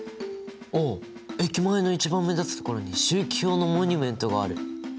お駅前の一番目立つ所に周期表のモニュメントがある。